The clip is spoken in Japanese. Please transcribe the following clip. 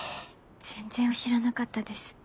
全然知らなかったです。